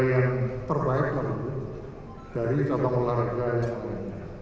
dan terbaik dari capang olahraga yang selalu ada